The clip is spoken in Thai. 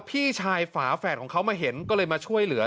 พี่ชายฝาแฝดของเขามาเห็นก็เลยมาช่วยเหลือ